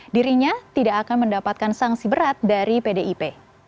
dirinya tidak akan mendapatkan sanksi berat dari pdip